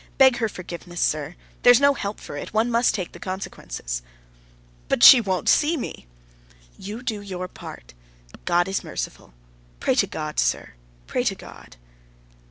Beg her forgiveness, sir. There's no help for it! One must take the consequences...." "But she won't see me." "You do your part. God is merciful; pray to God, sir, pray to God."